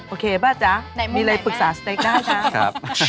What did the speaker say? โอเคป่ะจ๊ะมีอะไรปรึกษาสเต็กได้นะ